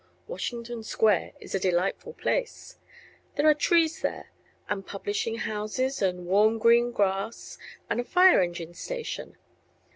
Washington Square is a delightful place. There are trees there, and publishing houses and warm green grass and a fire engine station.